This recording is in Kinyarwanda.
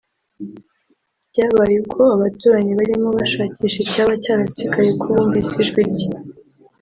byabaye ubwo abaturanyi barimo bashakisha icyaba cyarasigaye ubwo bumvise ijwi rye